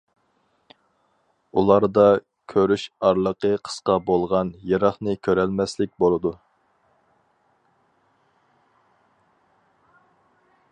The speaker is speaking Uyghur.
ئۇلاردا كۆرۈش ئارىلىقى قىسقا بولغان‹‹ يىراقنى كۆرەلمەسلىك›› بولىدۇ.